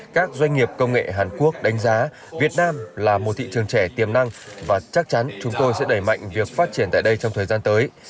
các doanh nghiệp công nghệ hàn quốc đánh giá việt nam là một thị trường trẻ tiềm năng và chắc chắn chúng tôi sẽ đẩy mạnh việc phát triển tại đây trong thời gian tới